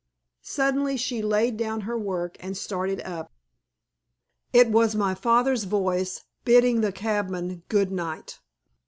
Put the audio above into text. Suddenly she laid down her work and started up. It was my father's voice bidding the cabman "Good night."